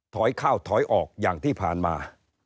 ถอยเข้าถอยออกอย่างที่ผ่านมา